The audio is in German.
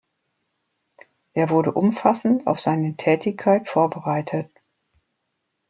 Er wurde umfassend auf seine Tätigkeit vorbereitet.